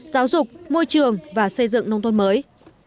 giáo dục môi trường và xây dựng nông thôn mới